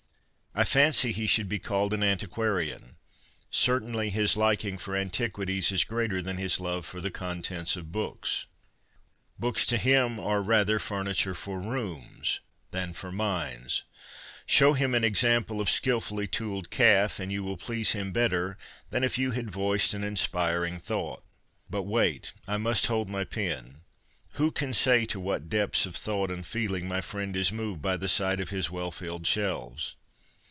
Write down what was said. I fancy he should be called an antiquarian. Certainly his liking for antiquities is greater than his love for the contents of books. Books to him are rather furniture for rooms than for minds. Show him an example of skilfully 'tooled' calf, and you will BOOKS THAT TEMPT 41 please him better than if you had voiced an inspiring thought. But wait ! I must hold my pen. Who can say to what depths of thought and feeling my friend is moved by the sight of his well filled shelves